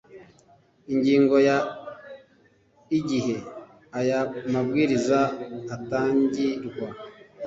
ingingo ya igihe aya mabwiriza atangirwa